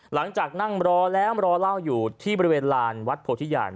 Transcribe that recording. นั่งรอแล้วรอเล่าอยู่ที่บริเวณลานวัดโพธิญาณ